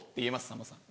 さんまさん。